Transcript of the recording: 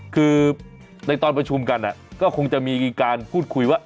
คือในตอนประชุมกันก็คงจะมีการพูดคุยว่า